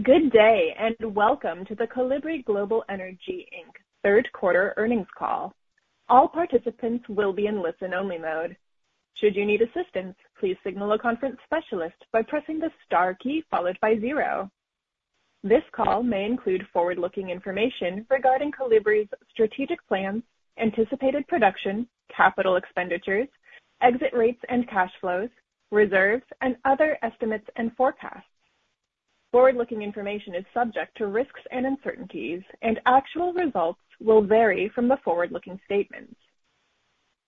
Goodday, and welcome to the Kolibri Global Energy Inc. Q3 earnings call. All participants will be in listen-only mode. Should you need assistance, please signal a conference specialist by pressing the star key followed by zero. This call may include forward-looking information regarding Kolibri's strategic plans, anticipated production, capital expenditures, exit rates and cash flows, reserves, and other estimates and forecasts. Forward-looking information is subject to risks and uncertainties, and actual results will vary from the forward-looking statements.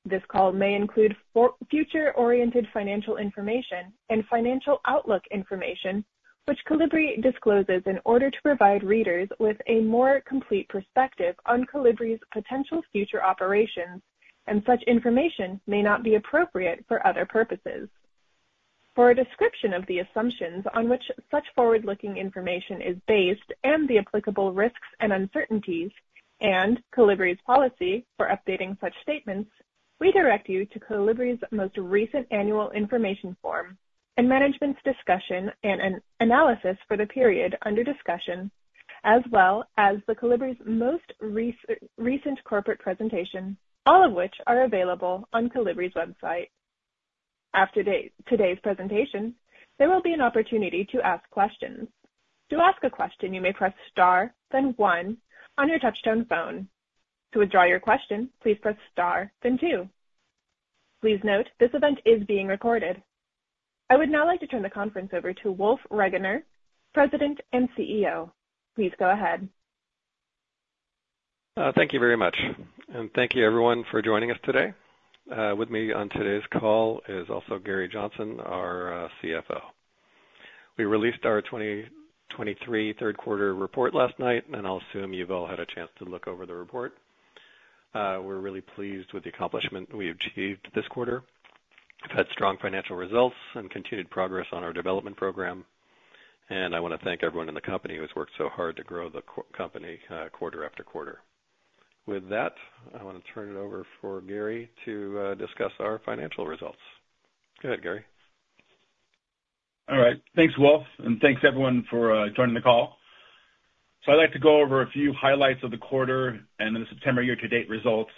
This call may include future-oriented financial information and financial outlook information, which Kolibri discloses in order to provide readers with a more complete perspective on Kolibri's potential future operations, and such information may not be appropriate for other purposes. For a description of the assumptions on which such forward-looking information is based and the applicable risks and uncertainties and Kolibri's policy for updating such statements, we direct you to Kolibri's most recent annual information form and management's discussion and analysis for the period under discussion, as well as Kolibri's most recent corporate presentation, all of which are available on Kolibri's website. After today's presentation, there will be an opportunity to ask questions. To ask a question, you may press star, then one on your touchtone phone. To withdraw your question, please press star, then two. Please note, this event is being recorded. I would now like to turn the conference over to Wolf Regener, President and CEO. Please go ahead. Thank you very much, and thank you everyone for joining us today. With me on today's call is also Gary Johnson, our CFO. We released our 2023 Q3 report last night, and I'll assume you've all had a chance to look over the report. We're really pleased with the accomplishment we achieved this quarter. We've had strong financial results and continued progress on our development program, and I wanna thank everyone in the company who has worked so hard to grow the company, quarter after quarter. With that, I want to turn it over for Gary to discuss our financial results. Go ahead, Gary. All right. Thanks, Wolf, and thanks, everyone, for joining the call. So I'd like to go over a few highlights of the quarter and then the September year-to-date results,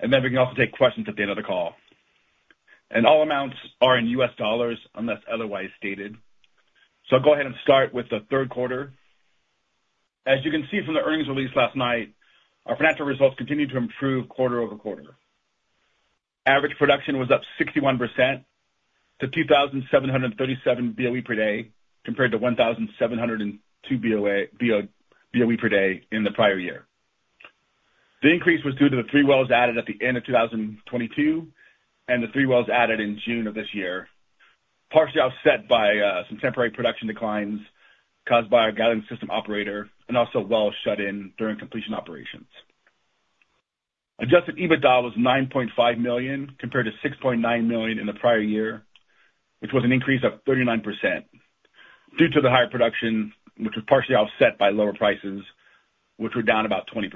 and then we can also take questions at the end of the call. And all amounts are in US dollars unless otherwise stated. So I'll go ahead and start with the Q3. As you can see from the earnings release last night, our financial results continued to improve quarter-over-quarter. Average production was up 61% to 2,737 BOE per day, compared to 1,702 BOE per day in the prior year. The increase was due to the three wells added at the end of 2022 and the three wells added in June of this year, partially offset by some temporary production declines caused by our gathering system operator and also wells shut in during completion operations. Adjusted EBITDA was $9.5 million, compared to $6.9 million in the prior year, which was an increase of 39%, due to the higher production, which was partially offset by lower prices, which were down about 20%.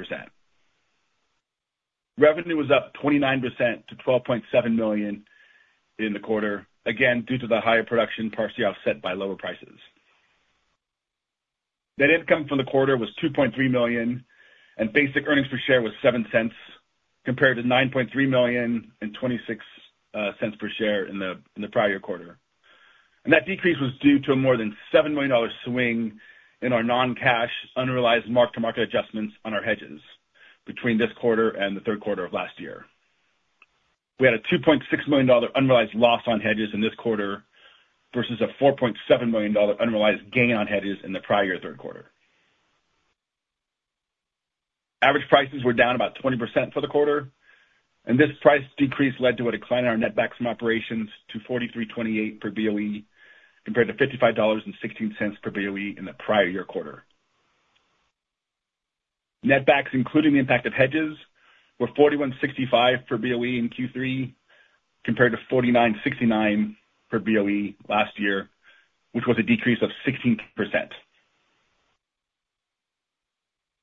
Revenue was up 29% to $12.7 million in the quarter, again, due to the higher production, partially offset by lower prices. Net income for the quarter was $2.3 million, and basic earnings per share was $0.07, compared to $9.3 million and $0.26 per share in the prior quarter. That decrease was due to a more than $7 million swing in our non-cash, unrealized mark-to-market adjustments on our hedges between this quarter and the Q3 of last year. We had a $2.6 million unrealized loss on hedges in this quarter, versus a $4.7 million unrealized gain on hedges in the prior Q3. Average prices were down about 20% for the quarter, and this price decrease led to a decline in our netback from operations to $43.28 per BOE, compared to $55.16 per BOE in the prior year quarter. Netbacks, including the impact of hedges, were $41.65 per BOE in Q3, compared to $49.69 per BOE last year, which was a decrease of 16%.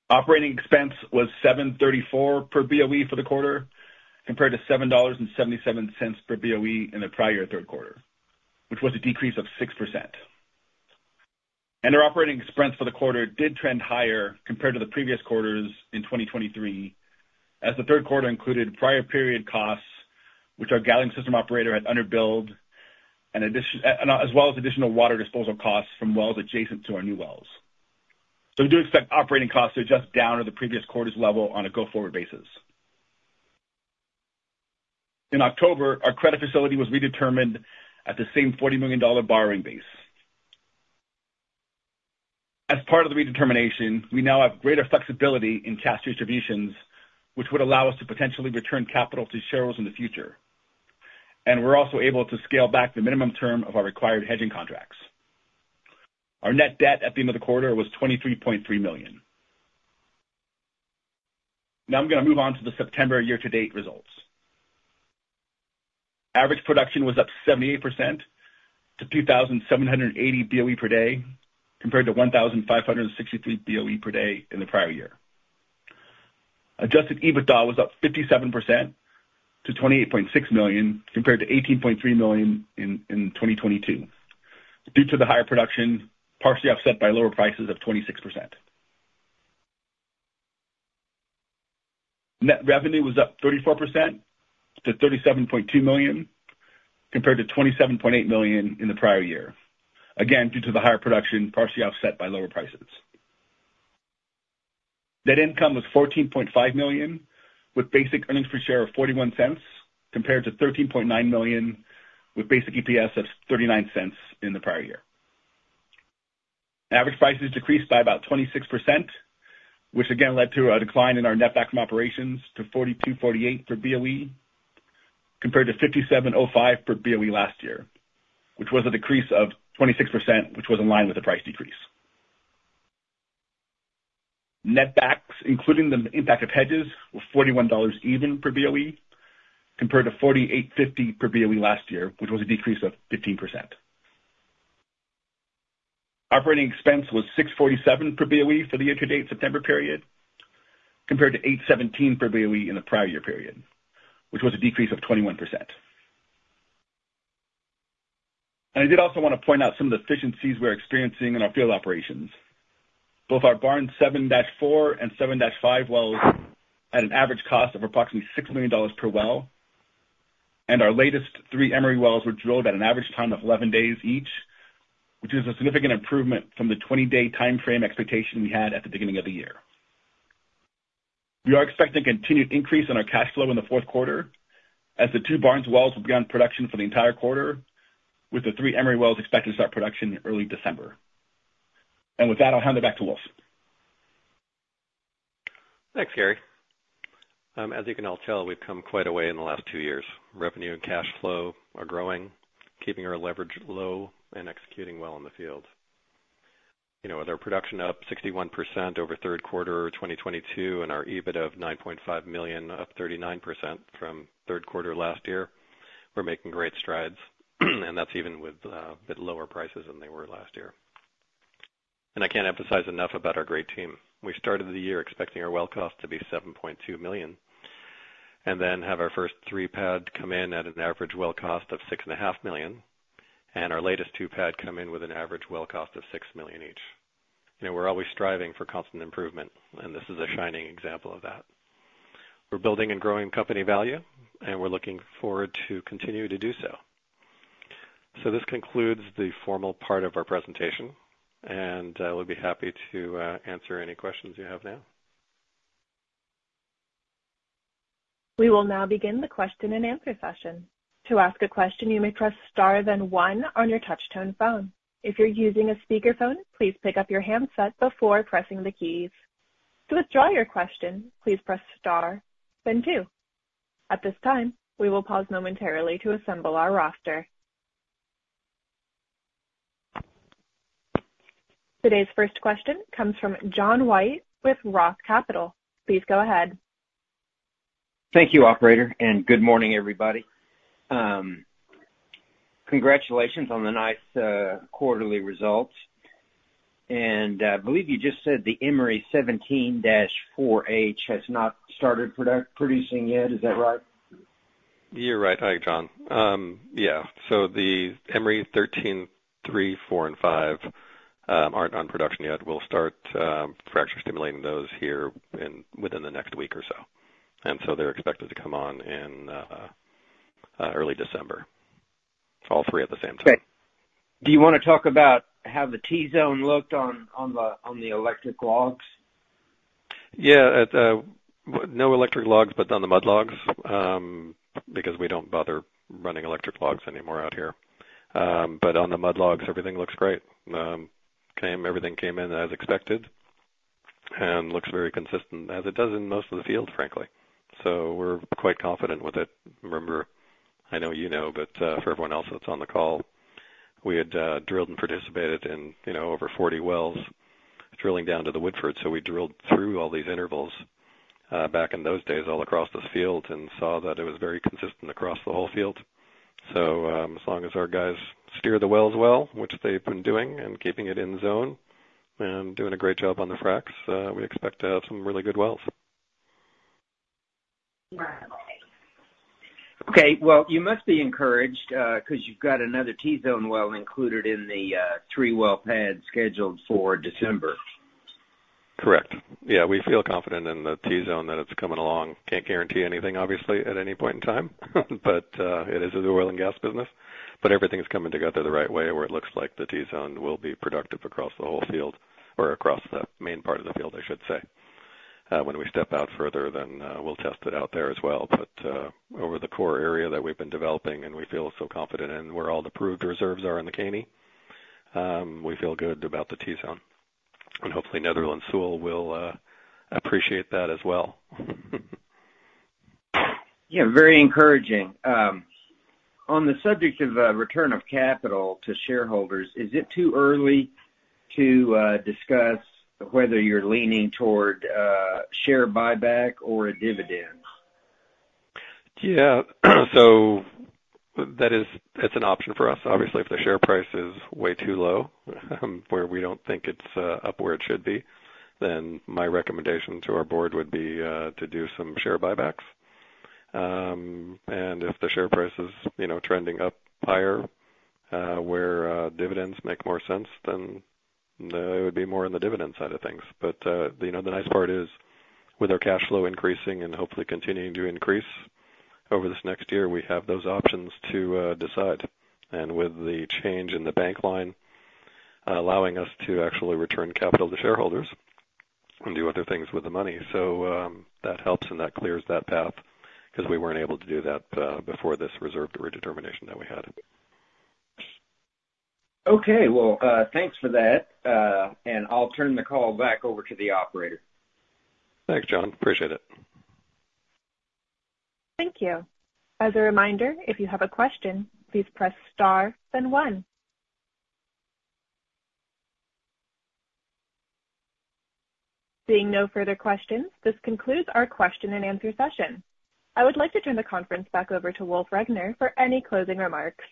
Operating expense was $7.34 per BOE for the quarter, compared to $7.77 per BOE in the prior Q3, which was a decrease of 6%. Our operating expense for the quarter did trend higher compared to the previous quarters in 2023, as the Q3 included prior period costs, which our gathering system operator had underbilled, and as well as additional water disposal costs from wells adjacent to our new wells. So we do expect operating costs to adjust down to the previous quarters level on a go-forward basis. In October, our credit facility was redetermined at the same $40 million borrowing base. As part of the redetermination, we now have greater flexibility in cash distributions, which would allow us to potentially return capital to shareholders in the future, and we're also able to scale back the minimum term of our required hedging contracts. Our net debt at the end of the quarter was $23.3 million. Now I'm gonna move on to the September year-to-date results. Average production was up 78% to 2,780 BOE per day, compared to 1,563 BOE per day in the prior year. Adjusted EBITDA was up 57% to $28.6 million, compared to $18.3 million in 2022, due to the higher production, partially offset by lower prices of 26%. Net revenue was up 34% to $37.2 million, compared to $27.8 million in the prior year. Again, due to the higher production, partially offset by lower prices. Net income was $14.5 million, with basic earnings per share of $0.41, compared to $13.9 million, with basic EPS of $0.39 in the prior year. Average prices decreased by about 26%, which again led to a decline in our netback from operations to $42.48 per BOE, compared to $57.05 per BOE last year, which was a decrease of 26%, which was in line with the price decrease. Netbacks, including the impact of hedges, were $41 per BOE, compared to $48.50 per BOE last year, which was a decrease of 15%. Operating expense was $6.47 per BOE for the year-to-date September period, compared to $8.17 per BOE in the prior year period, which was a decrease of 21%. I did also want to point out some of the efficiencies we're experiencing in our field operations. Both our Barnes 7-4 and 7-5 wells had an average cost of approximately $6 million per well, and our latest 3 Emery wells were drilled at an average time of 11 days each, which is a significant improvement from the 20-day timeframe expectation we had at the beginning of the year. We are expecting continued increase in our cash flow in the Q4 as the 2 Barnes wells will be on production for the entire quarter, with the 3 Emery wells expected to start production in early December. With that, I'll hand it back to Wolf. Thanks, Gary. As you can all tell, we've come quite a way in the last two years. Revenue and cash flow are growing, keeping our leverage low and executing well in the field. You know, with our production up 61% over Q3 2022, and our EBITDA of $9.5 million, up 39% from Q3 last year, we're making great strides, and that's even with the lower prices than they were last year. I can't emphasize enough about our great team. We started the year expecting our well cost to be $7.2 million, and then have our first three pad come in at an average well cost of $6.5 million, and our latest two pad come in with an average well cost of $6 million each. You know, we're always striving for constant improvement, and this is a shining example of that. We're building and growing company value, and we're looking forward to continuing to do so. So this concludes the formal part of our presentation, and we'll be happy to answer any questions you have now. We will now begin the question and answer session. To ask a question, you may press star then one on your touch tone phone. If you're using a speakerphone, please pick up your handset before pressing the keys. To withdraw your question, please press star then two. At this time, we will pause momentarily to assemble our roster. Today's first question comes from John White with Roth Capital. Please go ahead. Thank you, operator, and good morning, everybody. Congratulations on the nice quarterly results. I believe you just said the Emery 17-4H has not started production yet. Is that right? You're right. Hi, John. Yeah, so the Emery 17-3, 17-4, and 17-5 aren't on production yet. We'll start fracture stimulating those within the next week or so. So they're expected to come on in early December, all three at the same time. Great. Do you wanna talk about how the T-zone looked on the electric logs? Yeah. It, no electric logs, but on the mud logs, because we don't bother running electric logs anymore out here. But on the mud logs, everything looks great. Everything came in as expected and looks very consistent as it does in most of the field, frankly. So we're quite confident with it. Remember, I know you know, but for everyone else that's on the call, we had drilled and participated in, you know, over 40 wells, drilling down to the Woodford. So we drilled through all these intervals back in those days, all across this field, and saw that it was very consistent across the whole field. So, as long as our guys steer the wells well, which they've been doing, and keeping it in zone and doing a great job on the fracs, we expect to have some really good wells. Okay. Well, you must be encouraged, 'cause you've got another T-zone well included in the three-well pad scheduled for December. Correct. Yeah, we feel confident in the T-zone that it's coming along. Can't guarantee anything, obviously, at any point in time, but, it is the oil and gas business, but everything's coming together the right way, where it looks like the T-zone will be productive across the whole field or across the main part of the field, I should say. When we step out further, then, we'll test it out there as well. But, over the core area that we've been developing and we feel so confident in, where all the proved reserves are in the Caney, we feel good about the T-zone, and hopefully Netherland Sewell will, appreciate that as well. Yeah, very encouraging. On the subject of return of capital to shareholders, is it too early to discuss whether you're leaning toward a share buyback or a dividend? Yeah, so that is. It's an option for us. Obviously, if the share price is way too low, where we don't think it's up where it should be, then my recommendation to our board would be to do some share buybacks. And if the share price is, you know, trending up higher, where dividends make more sense, then it would be more on the dividend side of things. But you know, the nice part is, with our cash flow increasing and hopefully continuing to increase over this next year, we have those options to decide. And with the change in the bank line, allowing us to actually return capital to shareholders and do other things with the money. So, that helps and that clears that path, 'cause we weren't able to do that before this reserve redetermination that we had. Okay. Well, thanks for that, and I'll turn the call back over to the operator. Thanks, John. Appreciate it. Thank you. As a reminder, if you have a question, please press star then one. Seeing no further questions, this concludes our question and answer session. I would like to turn the conference back over to Wolf Regener for any closing remarks.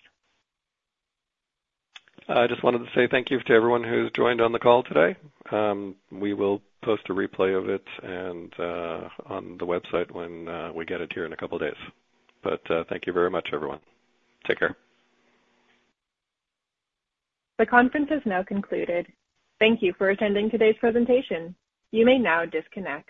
I just wanted to say thank you to everyone who's joined on the call today. We will post a replay of it and on the website when we get it here in a couple of days. But, thank you very much, everyone. Take care. The conference is now concluded. Thank you for attending today's presentation. You may now disconnect.